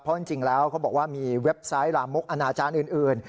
เพราะจริงแล้วเขาบอกว่ามีเว็บไซต์ลามกอนาจารย์อื่น